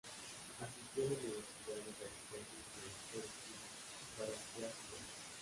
Asistió a la Universidad de California y al Actor's Studio, para ampliar su formación.